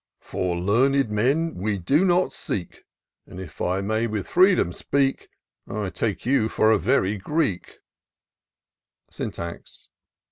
For learned men we do not seek. And if I may with freedom speak, I take you for a very Greek'' Syntax.